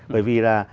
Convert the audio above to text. bởi vì là